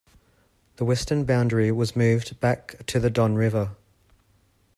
The western boundary was moved back to the Don River.